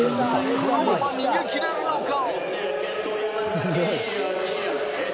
このまま逃げ切れるのか？